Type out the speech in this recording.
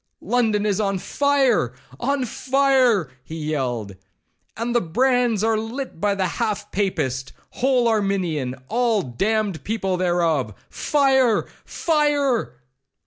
—London is on fire!—on fire!' he yelled; 'and the brands are lit by the half papist, whole arminian, all damned people thereof.—Fire!—fire!'